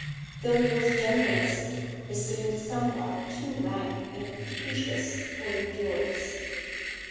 Though it was generous, it seemed somewhat too rank and capricious for endurance.